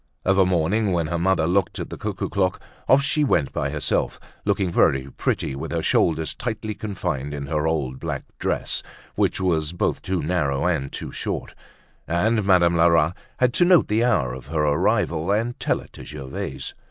Of a morning, when her mother looked at the cuckoo clock, off she went by herself, looking very pretty with her shoulders tightly confined in her old black dress, which was both too narrow and too short; and Madame Lerat had to note the hour of her arrival and tell it to Gervaise.